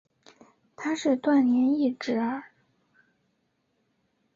他是段廉义侄儿。